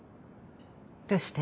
どうして？